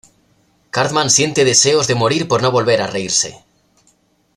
Cartman siente deseos de morir por no volver a reírse.